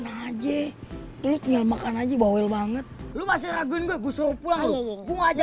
aja ngelmakan aja banget lu masih raguin gue gue suruh pulang aja